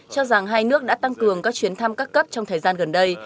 cho rằng hai nước đã tăng cường các chuyến thăm các cấp trong thời gian gần đây